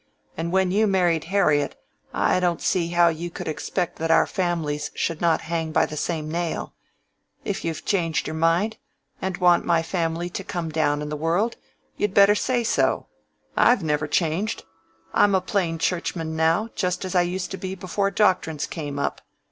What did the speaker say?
"And when you married Harriet, I don't see how you could expect that our families should not hang by the same nail. If you've changed your mind, and want my family to come down in the world, you'd better say so. I've never changed; I'm a plain Churchman now, just as I used to be before doctrines came up.